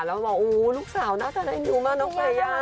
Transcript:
แล้วคุณพ่อบอกว่าอู้ลูกสาวน่าจะใส่หนูมากน้องเฟรยา